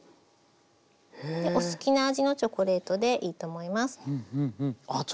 お好きな味のチョコレートでいいと思います。